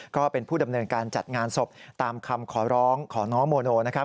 ก็เป็นผู้ดำเนินการจัดงานศพตามคำขอร้องของน้องโมโนนะครับ